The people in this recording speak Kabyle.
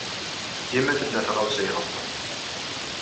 Dima tella tɣawsa iɣelḍen.